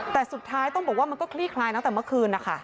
แต่สุดท้ายต้องบอกว่ามันก็คลี่คลายตั้งแต่เมื่อคืนนะคะ